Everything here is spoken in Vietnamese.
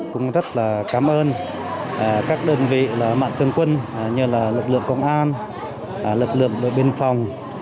cũng rất là cảm ơn các đơn vị mạng thương quân như là lực lượng công an lực lượng đội biên phòng